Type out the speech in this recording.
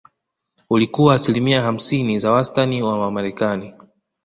Ulikuwa asilimia hamsini za wastani wa Wamarekani